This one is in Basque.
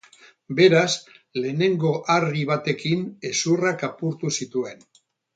Beraz, lehenengo, harri batekin hezurrak apurtu zituen.